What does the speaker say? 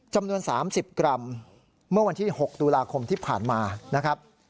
จำนวน๓๐กรัมเมื่อวันที่๖ตุลาคมที่ผ่านมานะครับ